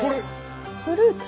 フルーツ？